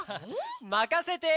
まかせて！